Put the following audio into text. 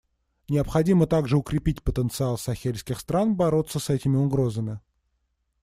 Необходимо также укрепить потенциал сахельских стран бороться с этими угрозами.